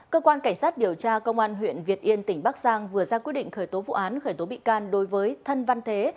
cơ quan cảnh sát điều tra công an huyện việt yên tỉnh bắc giang vừa ra quyết định khởi tố vụ án khởi tố bị can đối với thân văn thế